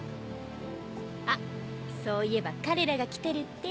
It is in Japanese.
あっそういえば彼らが来てるって。